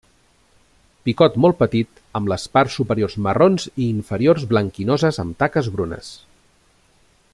Picot molt petit, amb les parts superiors marrons i inferiors blanquinoses amb taques brunes.